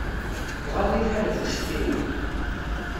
Iɣaḍ-iyi lḥal ɣef uccetki-nwen.